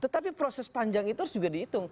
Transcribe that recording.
tetapi proses panjang itu harus juga dihitung